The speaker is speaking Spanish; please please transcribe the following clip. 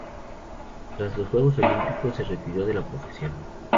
Tras los juegos olímpicos se retiró de la profesión.